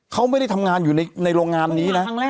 เขาไม่ได้ทำงานอยู่ในโรงงานนี้นะ